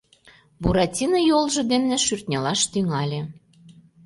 Буратино йолжо дене шӱртньылаш тӱҥале.